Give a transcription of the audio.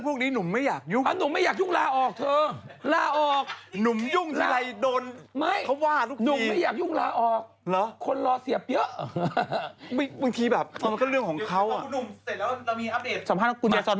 ผมเนี่ยคุยกับพ่อเขามาละเมื่อวาน